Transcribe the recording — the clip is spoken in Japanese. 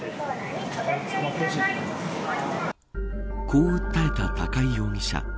こう訴えた高井容疑者。